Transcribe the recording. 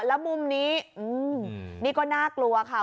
แล้วมุมนี้นี่ก็น่ากลัวค่ะ